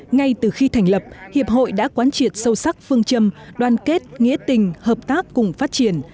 ngay từ khi thành lập hiệp hội đã quán triệt sâu sắc phương châm đoàn kết nghĩa tình hợp tác cùng phát triển